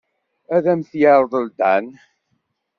Ad am-t-yerḍel Dan.